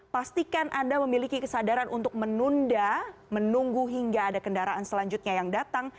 pastikan anda memiliki kesadaran untuk menunda menunggu hingga ada kendaraan selanjutnya yang datang